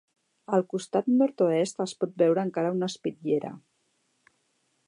Al costat nord-oest es pot veure encara una espitllera.